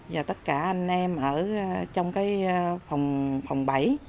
và tất cả anh em ở trong cái phòng bảy